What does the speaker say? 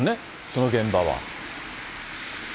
その現場は。